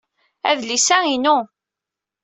Adlis-a inu.